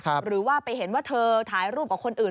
หรือว่าไปเห็นว่าเธอถ่ายรูปกับคนอื่น